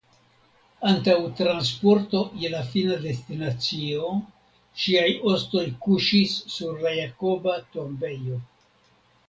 Antaŭ transporto je la fina destinacio ŝiaj ostoj kuŝis sur la Jakoba tombejo.